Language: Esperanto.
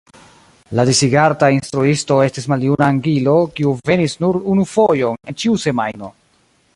La Disigarta instruisto estis maljuna angilo kiu venis nur unufojon en ĉiu semajno.